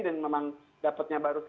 dan memang dapatnya baru sempat